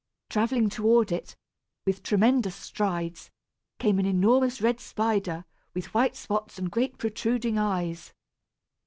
Travelling toward it, with tremendous strides, came an enormous red spider, with white spots and great protruding eyes.